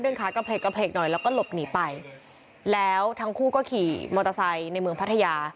ขากระเพลกกระเพลกหน่อยแล้วก็หลบหนีไปแล้วทั้งคู่ก็ขี่มอเตอร์ไซค์ในเมืองพัทยา